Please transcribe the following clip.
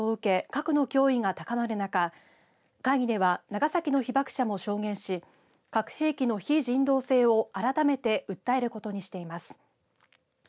核の脅威が高まる中、会議では長崎の被爆者も証言し核兵器の非人道性を改めて訴えることにしています。